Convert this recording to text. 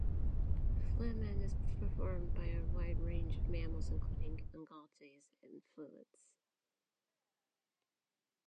Flehmen is performed by a wide range of mammals including ungulates and felids.